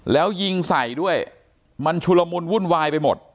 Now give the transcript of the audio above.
แล้วยิงใส่ด้วยมันชุลมุนวุ่นวายไปหมด